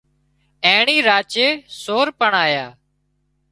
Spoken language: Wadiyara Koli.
اينڻي راچي سور پڻ آيا